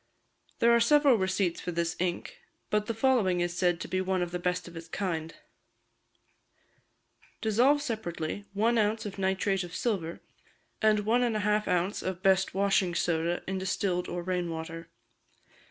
There are several receipts for this ink, but the following is said to be one of the best of its kind: Dissolve separately, one ounce of nitrate of silver, and one and a half ounce of best washing soda in distilled or rain water.